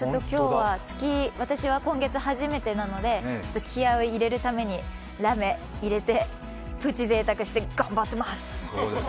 私、今月、初めてなので気合いを入れるためにラメ入れて、プチぜいたくして、頑張ってます。